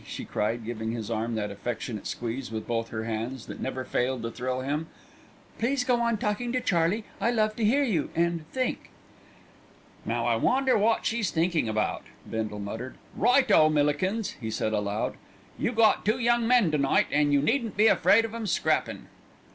she cried, giving his arm that affectionate squeeze with both her hands that never failed to thrill him. "Please go on talking to Charlie; I love to hear you and think." "Now I wonder wot she's thinkin' about?" Bindle muttered. "Right o, Millikins!" he said aloud. "You got two young men to night, an' you needn't be afraid of 'em scrappin'."